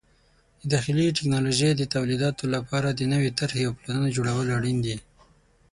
د داخلي ټکنالوژۍ د تولیداتو لپاره د نوې طرحې او پلانونو جوړول اړین دي.